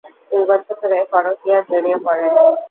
দুই বছর ধরে পরকীয়ায় জড়িয়ে পড়েন।